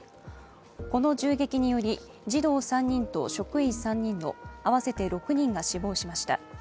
この銃撃により、児童３人と職員３人の合わせて６人が死亡しました。